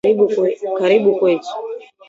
Karibu Kwetu